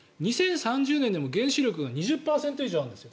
２０３０年でも原子力が２０％以上あるんです。